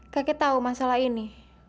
kakek tahu masalah ini